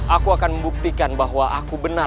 aku akan membuktikan bahwa aku benar